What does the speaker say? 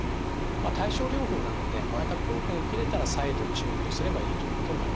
対症療法なのでまた効果が切れたら再度注入すればいいということになります。